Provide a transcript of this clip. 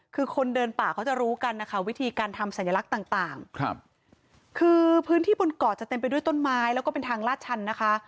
คือคนเดินป่าเขาจะรู้กันนะคะวิธีการทำสัญลักษณ์ต่างต่างคือพื้นที่บนเกาะจะเต็มไปด้วยต้นไม้แล้วก็เป็นทางลาดชันนะคะ